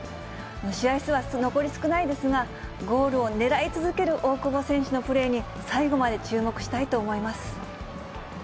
試合数は残り少ないですが、ゴールを狙い続ける大久保選手のプレーに、最後まで注目したいと思います。